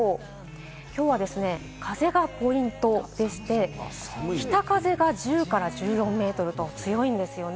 今日は風がポイントでして、北風が１０から１４メートルと強いんですよね。